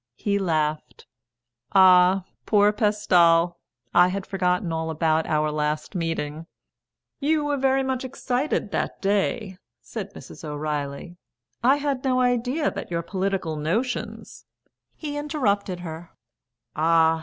He laughed. "Ah! Poor Pestal! I had forgotten all about our last meeting." "You were very much excited that day," said Mrs. O'Reilly. "I had no idea that your political notions " He interrupted her "Ah!